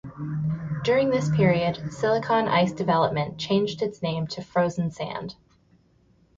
During this period, "Silicon Ice Development" changed its name to "FrozenSand".